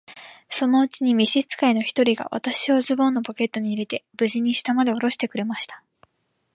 そのうちに召使の一人が、私をズボンのポケットに入れて、無事に下までおろしてくれました。